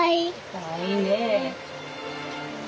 かわいいねえ。